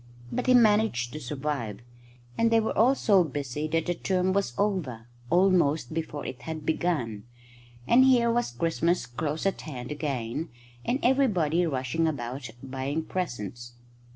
But he managed to survive, and they were all so busy that the term was over almost before it had begun; and here was Christmas close at hand again, and everybody rushing about buying presents.